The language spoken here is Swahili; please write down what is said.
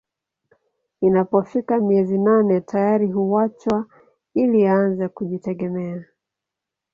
Inapofika miezi nane tayari huachwa ili aanze kujitegemea